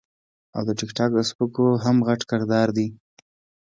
او د ټک ټاک د سپکو هم غټ کردار دے -